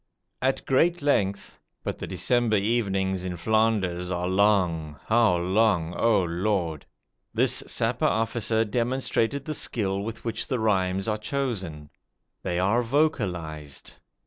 At great length but the December evenings in Flanders are long, how long, O Lord! this Sapper officer demonstrated the skill with which the rhymes are chosen. They are vocalized.